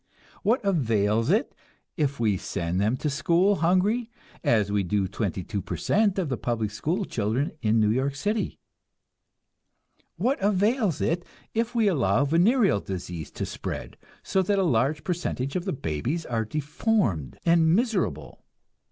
What avails it if we send them to school hungry, as we do twenty two per cent of the public school children of New York City? What avails it if we allow venereal disease to spread, so that a large percentage of the babies are deformed and miserable?